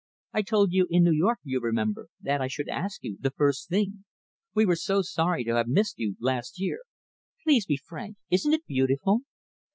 I told you in New York, you remember, that I should ask you, the first thing. We were so sorry to have missed you last year. Please be frank. Isn't it beautiful?"